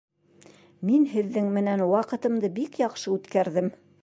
Мин һеҙҙең менән ваҡытымды бик яҡшы үткәрҙем